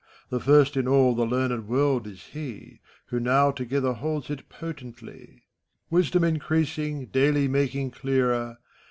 The first in all the learned world is he, Who now together holds it potently. Wisdom increasing, daily making clearer.